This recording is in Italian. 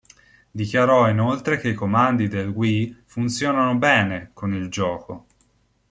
Dichiarò inoltre che i comandi del Wii "funzionano bene" con il gioco.